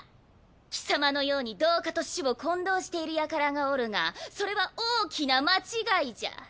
貴様のように同化と死を混同している輩がおるがそれは大きな間違いじゃ。